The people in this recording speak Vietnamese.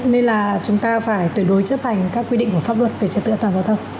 nên là chúng ta phải tuyệt đối chấp hành các quy định của pháp luật về trật tự an toàn giao thông